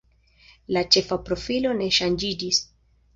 La ĉefa profilo ne ŝanĝiĝis.